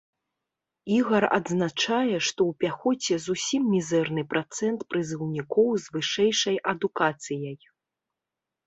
Ігар адзначае, што ў пяхоце зусім мізэрны працэнт прызыўнікоў з вышэйшай адукацыяй.